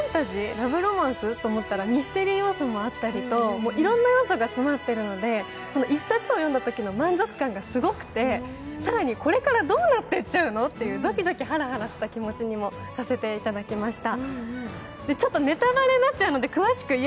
ラブロマンス？と思ったらミステリー要素もあったりと、いろんな要素が詰まっているのでこの１冊を読んだときの満足感がすごくて、更に、これからどうなってちゃうの？というドキドキハラハラした気持ちにもさせていただきまた。